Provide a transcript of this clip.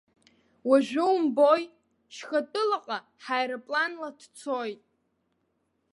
Уажәы, умбои, шьхатәылаҟа ҳаирпланла дцоит.